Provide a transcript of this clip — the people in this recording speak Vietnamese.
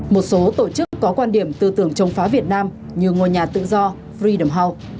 một số tổ chức có quan điểm tư tưởng chống phá việt nam như ngôi nhà tự do fridam house